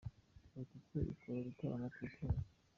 Sauti sol ikora ibitaramo ku isi yose.